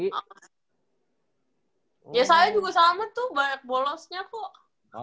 yesaya juga sama tuh banyak bolosnya kok